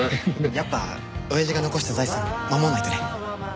やっぱ親父が残した財産守んないとね。